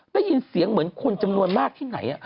ได้ยินเสียงเหมือนคนจำนวนมากที่ไหน